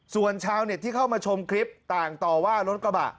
ส่วนชาวเน็ตที่เข้ามาชมคลิปต่างต่อว่ารถกระบะ